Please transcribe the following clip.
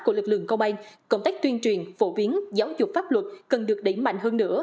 của lực lượng công an công tác tuyên truyền phổ biến giáo dục pháp luật cần được đẩy mạnh hơn nữa